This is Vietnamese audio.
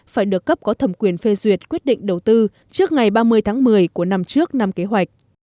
phải được cấp có thẩm quyền phê duyệt quyết định đầu tư trước ngày ba mươi tháng một mươi của năm trước năm kế hoạch